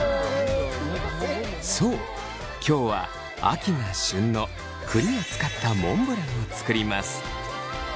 そう今日は秋が旬の栗を使ったモンブランを作ります。